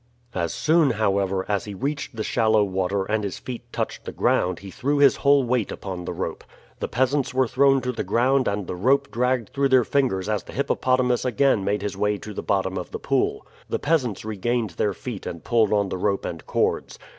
As soon, however, as he reached the shallow water and his feet touched the ground he threw his whole weight upon the rope. The peasants were thrown to the ground and the rope dragged through their fingers as the hippopotamus again made his way to the bottom of the pool. The peasants regained their feet and pulled on the rope and cords.